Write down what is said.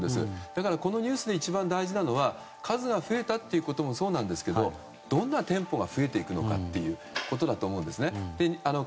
だから、このニュースで一番大事なのは数が増えたのもそうですがどんな店舗が増えていくかということだと思うんですね。